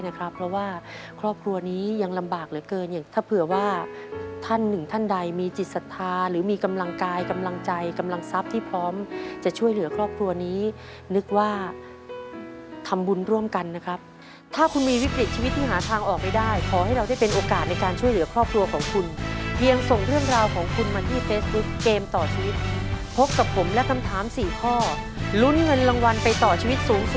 อยากรวยมาทางนี้ซึ่งเป็นคำตอบที่